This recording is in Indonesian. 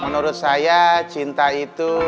menurut saya cinta itu